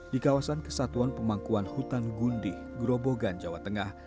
di kawasan kesatuan pemangkuan hutan gundih grobogan jawa tengah